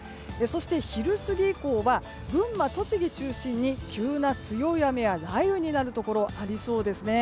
そして昼過ぎ以降は群馬、栃木中心に急な強い雨や雷雨になるところがありそうです。